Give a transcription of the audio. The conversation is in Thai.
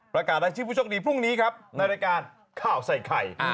ประกาศได้ชิ้นผู้ช่องดีพรุ่งนี้ครับในรายการข้าวใส่ไข่